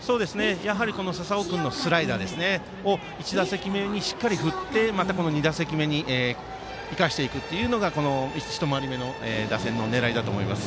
やはり笹尾君のスライダーを１打席目にしっかり振って２打席目に生かしていくのが一回り目の打線の狙いだと思います。